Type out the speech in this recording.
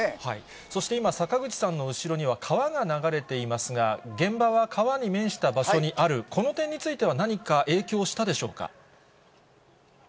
そして今、坂口さんの後ろには川が流れていますが、現場は川に面した場所にある、この点については、何か影響したでしょうか。